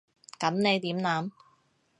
噉你點諗？